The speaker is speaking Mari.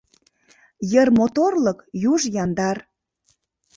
Йыр моторлык, юж яндар.